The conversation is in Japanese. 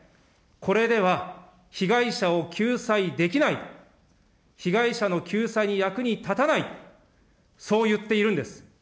これでは、被害者を救済できない、被害者の救済に役に立たないと、そう言っているんです。